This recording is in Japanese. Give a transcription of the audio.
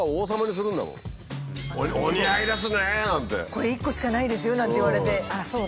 「これ一個しかないですよ」なんて言われて「あらそう？」